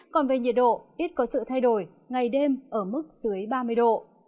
còn về nhiệt độ ít có sự thay đổi ngày đêm ở mức dưới ba mươi độ